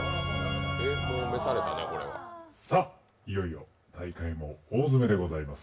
「さあ、いよいよ大会も大詰めでございます」